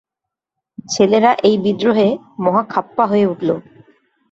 ছেলেরা এই বিদ্রোহে মহা খাপ্পা হয়ে উঠল।